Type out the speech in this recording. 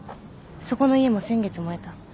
そこの家も先月燃えた。